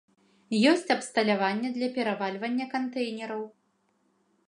Ёсць абсталяванне для перавальвання кантэйнераў.